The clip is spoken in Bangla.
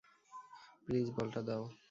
প্লিজ বলটা দাও।